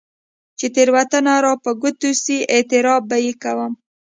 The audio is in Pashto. چې تېروتنه راپه ګوته شي، اعتراف به يې کوم.